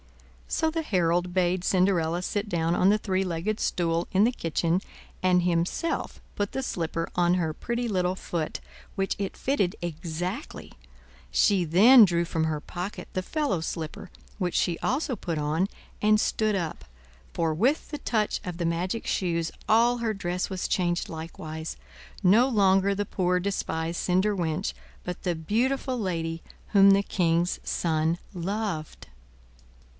So the herald bade Cinderella sit down on a three legged stool in the kitchen, and himself put the slipper on her pretty little foot, which it fitted exactly; she then drew from her pocket the fellow slipper, which she also put on, and stood up—for with the touch of the magic shoes all her dress was changed likewise—no longer the poor despised cinder wench, but the beautiful lady whom the king's son loved.